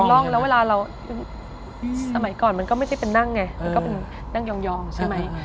ร่องแล้วเวลาเราสมัยก่อนมันก็ไม่ได้เป็นนั่งไงมันก็เป็นนั่งยองใช่ไหม